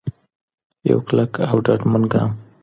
یو کلک او ډاډمن ګام.